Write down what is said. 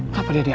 apa dia dijadiin